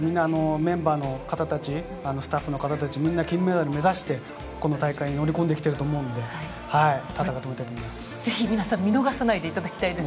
メンバー、スタッフみんな金メダルを目指してこの大会に乗り込んできてると思うので、戦ってもらいたいです。